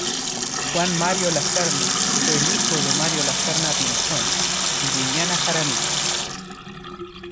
Juan Mario Laserna fue el hijo de Mario Laserna Pinzón y Liliana Jaramillo.